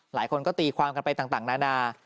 หลายคนก็ตีความกันไปต่างนานา